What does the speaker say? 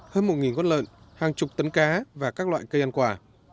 hơn một con lợn hàng chục tấn cá và các loại cây ăn quả